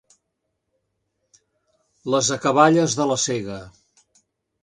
Les acaballes de la sega.